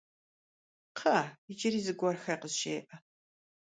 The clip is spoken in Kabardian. Кхъыӏэ, иджыри зыгуэрхэр къызжеӏэ.